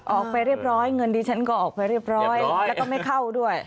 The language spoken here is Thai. ออกไปเรียบร้อยเงินดิฉันก็ออกไปเรียบร้อยแล้วก็ไม่เข้าด้วย